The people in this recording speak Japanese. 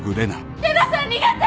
玲奈さん逃げて！